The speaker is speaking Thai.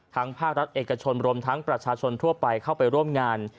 ภาครัฐเอกชนรวมทั้งประชาชนทั่วไปเข้าไปร่วมงาน